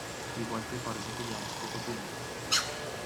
igual te parece que llevamos poco tiempo,